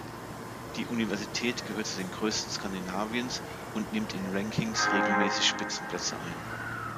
Die Universität gehört zu den größten Skandinaviens und nimmt in Rankings regelmäßig Spitzenplätze ein.